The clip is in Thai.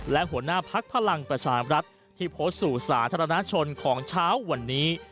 และหัวหน้าพักพลังประชามรัฐที่โพสต์สู่สาธารณชนของเช้าวันนี้